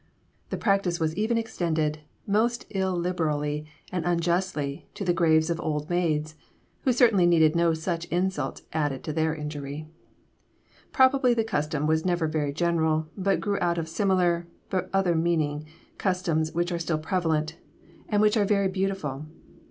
The practice was even extended, most illiberally and unjustly, to the graves of old maids, who certainly needed no such insult added to their injury. Probably the custom was never very general, but grew out of similar but other meaning customs which are still prevalent, and which are very beautiful.